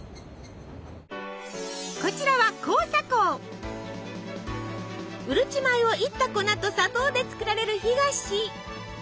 こちらはうるち米をいった粉と砂糖で作られる干菓子。